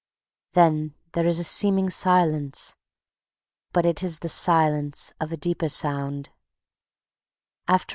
Then there is a seeming silence, but it is the silence of a deeper sound.